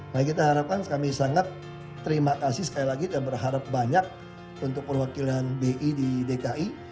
nah kita harapkan kami sangat terima kasih sekali lagi dan berharap banyak untuk perwakilan bi di dki